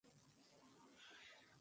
লোকটি খুবই অস্বস্তি নিয়ে ভেতরে ঢুকল।